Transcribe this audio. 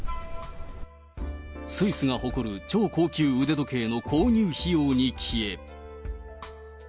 スイスが誇る超高級腕時計の購入費用に消え。